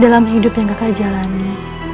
dalam hidup yang kakak jalani